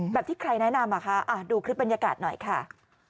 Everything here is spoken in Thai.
แบบที่ใครแนะนำอ่ะคะดูคลิปบรรยากาศหน่อยค่ะ